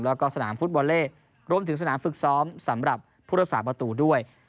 แล้วก็สนามฟุตบอลเล่รวมถึงสนามฝึกซ้อมสำหรับผู้รักษาประตูด้วย